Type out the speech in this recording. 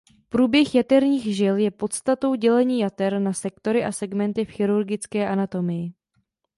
Průběh jaterních žil je podstatou dělení jater na sektory a segmenty v chirurgické anatomii.